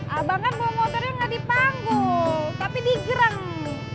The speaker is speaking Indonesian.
abang kan bawa motornya nggak dipanggung tapi digereng